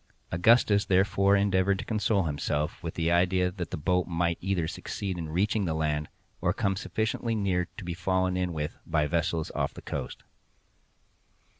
Augustus therefore endeavored to console himself with the idea that the boat might either succeed in reaching the land, or come sufficiently near to be fallen in with by vessels off the coast.